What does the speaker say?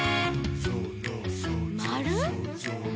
「まる？」